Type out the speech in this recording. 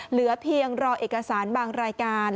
เหลือเพียงรอเอกสารบางรายการ